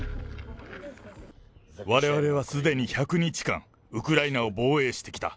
われわれはすでに１００日間、ウクライナを防衛してきた。